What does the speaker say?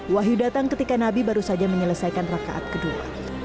wahyu datang ketika nabi baru saja menyelesaikan rakaat kedua